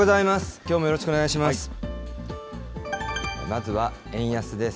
きょうもよろしくお願いします。